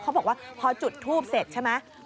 เขาบอกว่าพอจุดทูบเสร็จใช่ไหม